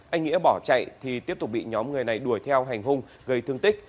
anh nghĩa bỏ chạy thì tiếp tục bị nhóm người này đuổi theo hành hung gây thương tích